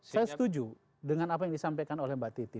saya setuju dengan apa yang disampaikan oleh mbak titi